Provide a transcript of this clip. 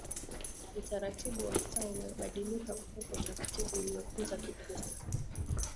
utaratibu wa sasa umebadilika kutoka utaratibu uliopita kidogo sana